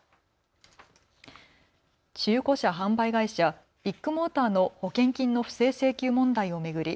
中古車販売会社、ビッグモーターの保険金の不正請求問題を巡り